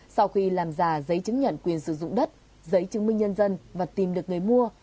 sau khi làm giả giấy chứng nhận quyền sử dụng đất giấy chứng minh nhân dân và tìm được người mua